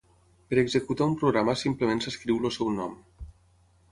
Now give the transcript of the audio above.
Per executar un programa simplement s'escriu el seu nom.